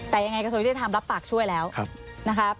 แต่ยังไงกระทรวงยุติธรรมรับปากช่วยแล้วนะครับ